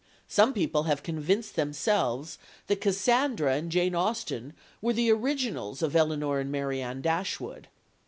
Some people have convinced themselves that Cassandra and Jane Austen were the originals of Elinor and Marianne Dashwood.